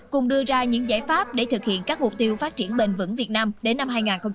cùng đưa ra những giải pháp để thực hiện các mục tiêu phát triển bền vững việt nam đến năm hai nghìn ba mươi